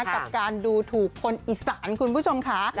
กับการดูถูกคนอีสานคุณผู้ชมค่ะ